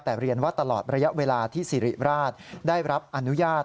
แต่เรียนว่าตลอดระยะเวลาที่สิริราชได้รับอนุญาต